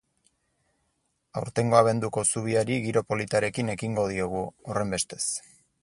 Aurtengo abenduko zubiari giro politarekin ekingo diogu, horrenbestez.